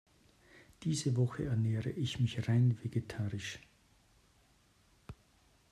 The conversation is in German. Diese Woche ernähre ich mich rein vegetarisch.